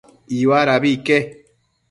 Iuadabi ique